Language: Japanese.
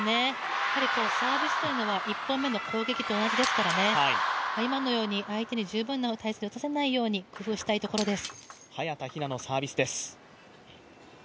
サービスというのは１本目の攻撃と同じですからね、今のように相手に十分な体勢で打たせないように工夫したいところです。